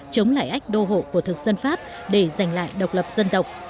chống lại ách đô hộ của thực dân pháp để giành lại độc lập dân tộc